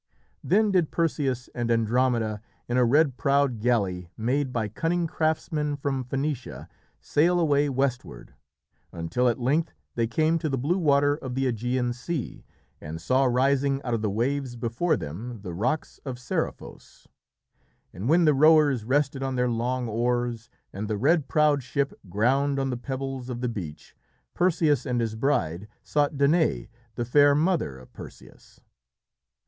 Then did Perseus and Andromeda, in a red prowed galley made by cunning craftsmen from Phœnicia, sail away westward, until at length they came to the blue water of the Ægean Sea, and saw rising out of the waves before them the rocks of Seriphos. And when the rowers rested on their long oars, and the red prowed ship ground on the pebbles of the beach, Perseus and his bride sought Danaë, the fair mother of Perseus.